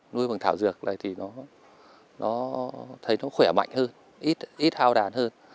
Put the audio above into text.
nuôi bằng thảo dược này thì nó thấy nó khỏe mạnh hơn ít ít hao đàn hơn